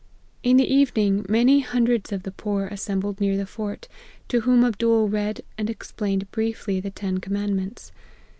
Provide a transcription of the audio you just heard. In the evening many hundreds of the poor assembled near the fort, to whom Abdool read and explained briefly the ten commandments.